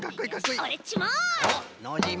オレっちも！